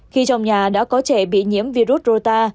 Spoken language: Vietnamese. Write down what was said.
khi trong nhà đã có trẻ bị nhiễm virus rota